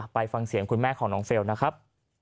ฟังเสียงคุณแม่ของน้องเฟลล์นะครับ